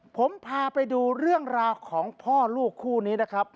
ผมพาไปดูเรื่องราวของพ่อลูกคู่นี้นะครับ